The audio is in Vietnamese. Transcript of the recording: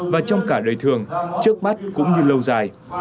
và trong cả đời thường trước mắt cũng như lâu dài